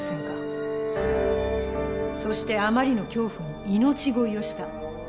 そしてあまりの恐怖に命乞いをした。